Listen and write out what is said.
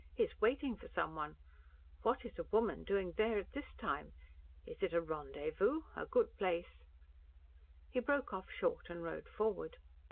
"He is waiting for someone. What is a woman doing there at this time? Is it a rendezvous? A good place " He broke off short and rode forward.